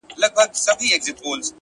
ژړا خــود نــــه ســـــــې كـــــــولاى!